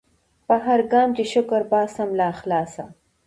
پر هرګام چي شکر باسم له اخلاصه